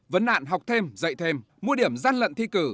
vấn nạn học thêm dạy thêm mua điểm gian lận thi cử